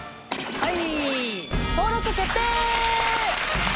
はい。